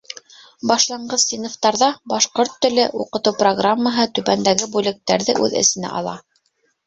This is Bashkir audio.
Башланғыс синыфтарҙа башҡорт теле уҡытыу программаһы түбәндәге бүлектәрҙе үҙ эсенә ала: